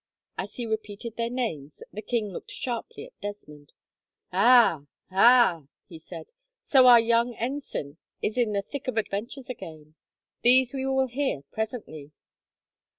As he repeated their names, the king looked sharply at Desmond. "Ah, ah!" he said, "so our young ensign is in the thick of adventures again. These we will hear presently.